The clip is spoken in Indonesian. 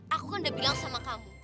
aku kan udah bilang sama kamu